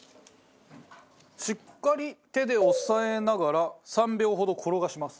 しっかり手で押さえながら３秒ほど転がします。